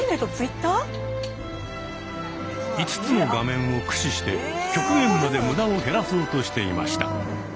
５つの画面を駆使して極限まで無駄を減らそうとしていました。